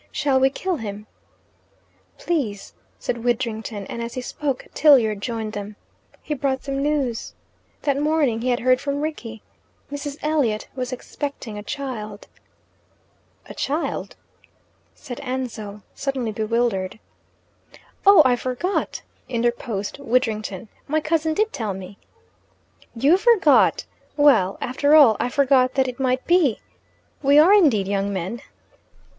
"Shall we kill him?" "Please," said Widdrington, and as he spoke Tilliard joined them. He brought them news. That morning he had heard from Rickie: Mrs. Elliot was expecting a child. "A child?" said Ansell, suddenly bewildered. "Oh, I forgot," interposed Widdrington. "My cousin did tell me." "You forgot! Well, after all, I forgot that it might be, We are indeed young men."